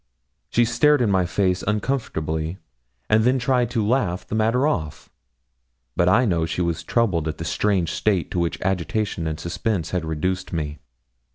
She stared in my face uncomfortably, and then tried to laugh the matter off; but I know she was troubled at the strange state to which agitation and suspense had reduced me.